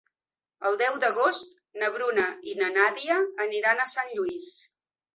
El deu d'agost na Bruna i na Nàdia aniran a Sant Lluís.